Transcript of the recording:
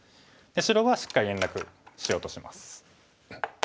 白はしっかり連絡しようとします。